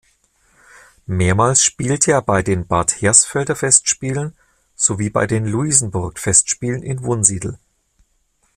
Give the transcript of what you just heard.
Mehrmals spielte er bei den Bad Hersfelder Festspielen sowie bei den Luisenburg-Festspielen in Wunsiedel.